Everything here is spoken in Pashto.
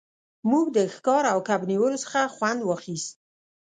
موږ د ښکار او کب نیولو څخه خوند واخیست